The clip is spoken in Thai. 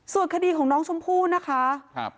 ส่วนคดีของน้องชมพู่นะคะ